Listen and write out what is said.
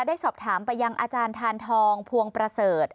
ได้สอบถามไปยังอาจารย์ทานทองพวงประเสริฐ